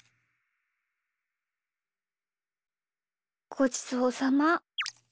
ごちそうさま。